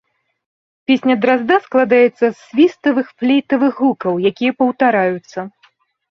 Песня дразда складаецца з свіставых флейтавых гукаў, якія паўтараюцца.